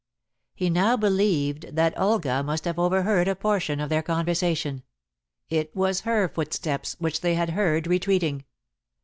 He now believed that Olga must have overheard a portion of the conversation. It was her footsteps which they had heard retreating.